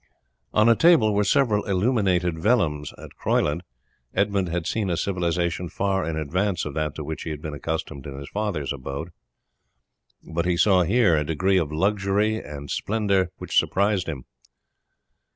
On a table were several illuminated vellums. At Croyland Edmund had seen a civilization far in advance of that to which he had been accustomed in his father's abode; but he saw here a degree of luxury and splendour which surprised him.